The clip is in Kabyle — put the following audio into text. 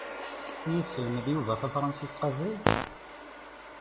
Ad yesselmed Yuba tafṛansit qabel?